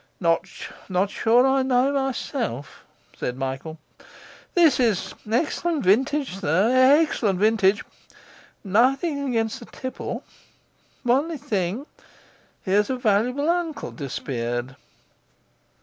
'Not sure I know myself,' said Michael. 'This is exc'lent vintage, sir exc'lent vintage. Nothing against the tipple. Only thing: here's a valuable uncle disappeared.